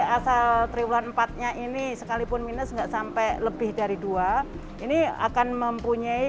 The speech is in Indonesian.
asal triwulan empat nya ini sekalipun minus nggak sampai lebih dari dua ini akan mempunyai